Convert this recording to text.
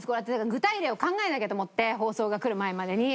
具体例を考えなきゃと思って放送がくる前までに。